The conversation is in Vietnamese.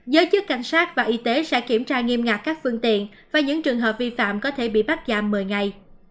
giới chức cảnh sát và y tế sẽ kiểm tra nghiêm ngặt các phương tiện và những trường hợp vi phạm có thể bị bắt giam một mươi ngày